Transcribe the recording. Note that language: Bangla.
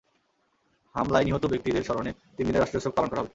হামলায় নিহত ব্যক্তিদের স্মরণে তিন দিনের রাষ্ট্রীয় শোক পালন করা হবে।